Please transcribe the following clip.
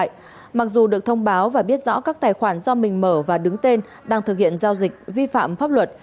các bị hại mặc dù được thông báo và biết rõ các tài khoản do mình mở và đứng tên đang thực hiện giao dịch vi phạm pháp luật